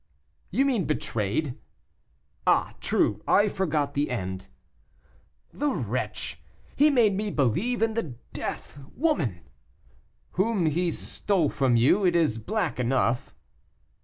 "You mean betrayed." "Ah, true; I forgot the end." "The wretch! he made me believe in the death woman " "Whom he stole from you; it is black enough."